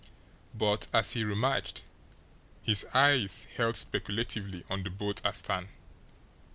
But as he rummaged, his eyes held speculatively on the boat astern.